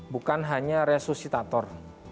bukan hanya resusitator